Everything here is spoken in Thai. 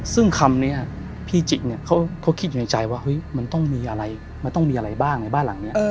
ซึ่งคำนี้พี่จิเนี่ยเขาคิดอยู่ในใจว่ามันต้องมีอะไรมันต้องมีอะไรบ้างในบ้านหลังนี้